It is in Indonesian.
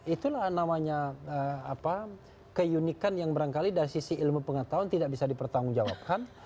itulah namanya keunikan yang berangkali dari sisi ilmu pengetahuan tidak bisa dipertanggungjawabkan